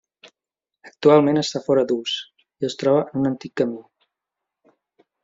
Actualment està fora d'ús i es troba en un antic camí.